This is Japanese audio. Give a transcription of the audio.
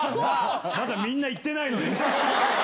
まだみんな言ってないのに。